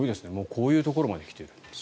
こういうところまで来ている。